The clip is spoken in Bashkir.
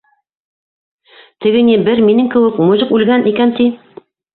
- Теге ни... бер минең кеүек мужик үлгән икән, ти.